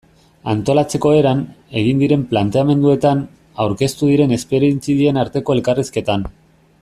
Antolatzeko eran, egin diren planteamenduetan, aurkeztu diren esperientzien arteko elkarrizketan...